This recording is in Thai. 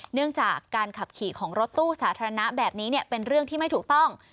เนื่องจากการขับขี่ของรถตู้สาธารณะแบบนี้เป็นเรื่องที่ไม่ถูกต้อง